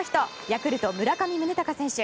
ヤクルト、村上宗隆選手。